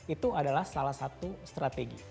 itu adalah salah satu strategi